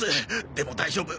でも大丈夫